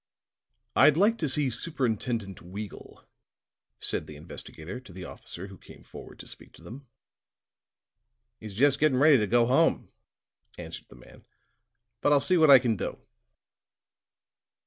"I'd like to see Superintendent Weagle," said the investigator to the officer who came forward to speak to them. "He's just getting ready to go home," answered the man, "but I'll see what I can do."